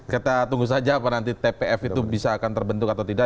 kita tunggu saja apa nanti tpf itu bisa akan terbentuk atau tidak